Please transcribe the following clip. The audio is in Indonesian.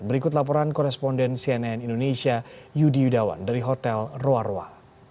berikut laporan koresponden cnn indonesia yudi yudawan dari hotel roa roa